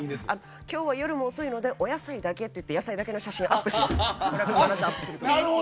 今日は夜も遅いのでお野菜だけって野菜だけの写真をアップします。